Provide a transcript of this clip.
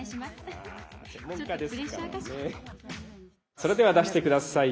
それでは出して下さい。